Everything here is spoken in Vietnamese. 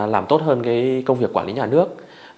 làm tốt hơn công việc quản lý nhà nước